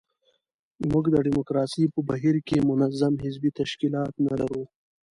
موږ د ډیموکراسۍ په بهیر کې منظم حزبي تشکیلات نه لرو.